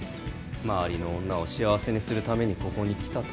周りの女を幸せにするためにここに来たと。